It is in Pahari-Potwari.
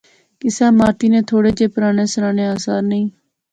کسے عمارتی نے تھوڑے جے پرانے سرانے آثار نئیں